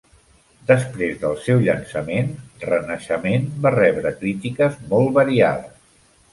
Després del seu llançament, "Renaixement" va rebre crítiques molt variades.